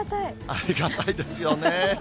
ありがたいですよね。